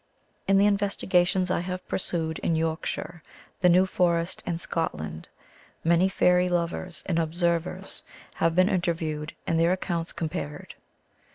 ''In the investigations I have pursued in Yorkshire, the New Forest, and Scotland, many fairy lovers and observers have been interviewed and their accounts compared.